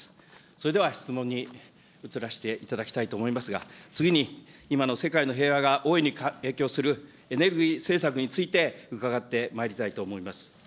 それでは質問に移らせていただきたいと思いますが、次に、今の世界の平和が大いに影響するエネルギー政策について、伺ってまいりたいと思います。